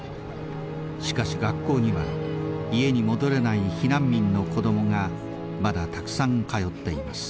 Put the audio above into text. しかし学校には家に戻れない避難民の子供がまだたくさん通っています。